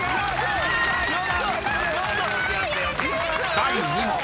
［第２問］